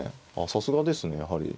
さすがですねやはり。